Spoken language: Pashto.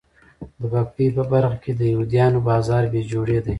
د پاکۍ په برخه کې د یهودیانو بازار بې جوړې دی.